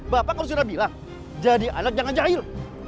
bapak kalau sudah bilang jadi anak jangan jahil